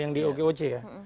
yang di okoc